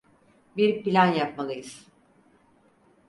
Bir plan yapmalıyız.